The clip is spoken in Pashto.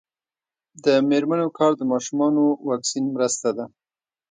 د میرمنو کار د ماشومانو واکسین مرسته ده.